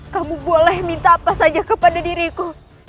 kamu boleh minta apa saja kepada diriku